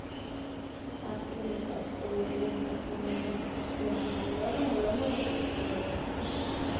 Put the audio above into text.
As técnicas, o deseño e mesmo os temas mudaron ao longo do tempo.